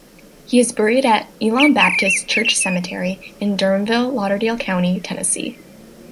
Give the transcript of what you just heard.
He is buried at Elam Baptist Church Cemetery in Durhamville, Lauderdale County, Tennessee.